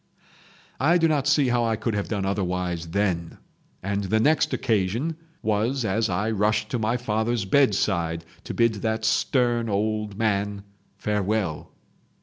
"I do not see how I could have done otherwise then. And the next occasion was as I rushed to my father's bedside to bid that stern old man farewell.